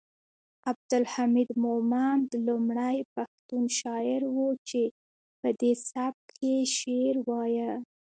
عبدالحمید مومند لومړی پښتون شاعر و چې پدې سبک یې شعر وایه